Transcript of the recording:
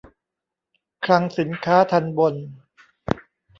คลังสินค้าทัณฑ์บน